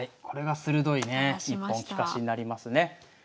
これが鋭いね一本利かしになりますね。